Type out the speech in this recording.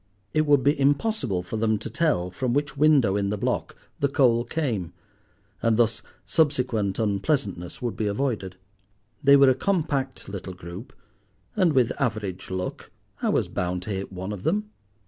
It would be impossible for them to tell from which window in the block the coal came, and thus subsequent unpleasantness would be avoided. They were a compact little group, and with average luck I was bound to hit one of them.